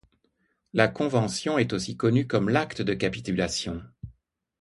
La convention est aussi connue comme l'acte de capitulation.